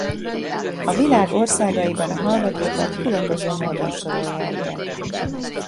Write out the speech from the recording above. A világ országaiban a hallgatókat különböző módon sorolják be.